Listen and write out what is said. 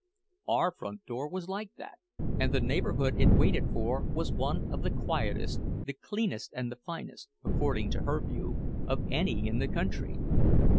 Our front door was like that, and the neighborhood it waited for was one of the quietest, the cleanest and the finest, according to her view, of any in the country.